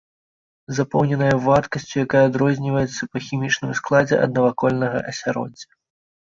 Запоўненая вадкасцю, якая адрозніваецца па хімічным складзе ад навакольнага асяроддзя.